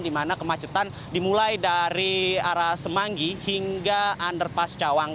di mana kemacetan dimulai dari arah semanggi hingga underpass cawang